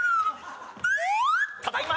ただいま！